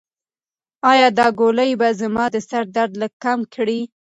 ایا دا ګولۍ به زما د سر درد لږ کم کړي؟